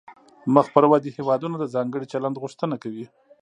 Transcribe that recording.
مخ پر ودې هیوادونه د ځانګړي چلند غوښتنه کوي